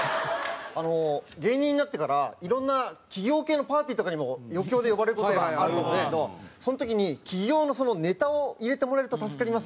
芸人になってからいろんな企業系のパーティーとかにも余興で呼ばれる事があると思うんですけどその時に「企業のネタを入れてもらえると助かります」みたいな。